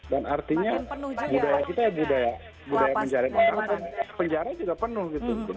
dan artinya budaya kita budaya penjara juga penuh